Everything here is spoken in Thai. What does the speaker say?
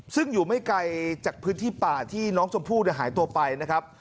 ซึ่งอยู่ไม่ไกลจากพื้นที่ป่าที่น้องชมพู่หายตัวไปนะครับ